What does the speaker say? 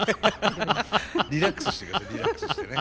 リラックスしてくださいリラックスしてね。